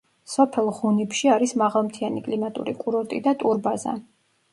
სოფელ ღუნიბში არის მაღალმთიანი კლიმატური კურორტი და ტურბაზა.